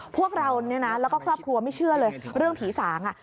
พวกเราเนี่ยนะแล้วก็ครอบครัวไม่เชื่อเลยเรื่องผีสาง